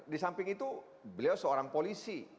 di samping itu beliau seorang polisi